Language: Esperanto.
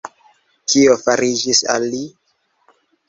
Kio fariĝis al li?